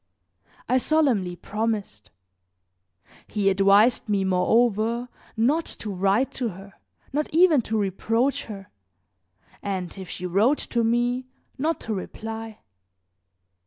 I solemnly promised. He advised me, moreover, not to write to her, not even to reproach her, and if she wrote to me not to reply.